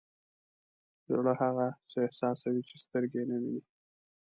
زړه هغه څه احساسوي چې سترګې یې نه ویني.